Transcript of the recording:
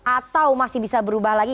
atau masih bisa berubah lagi